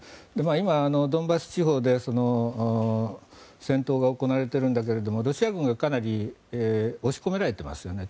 今、ドンバス地方で戦闘が行われているんだけどもロシア軍がかなり押し込められていますよね。